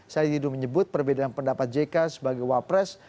said didu menyebut perbedaan pendapat jk sebagai wapres